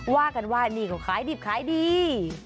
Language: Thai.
ว่ากันว่านี่ก็ขายดิบขายดี